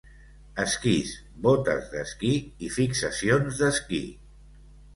Esquís, botes d'esquí i fixacions d'esquí.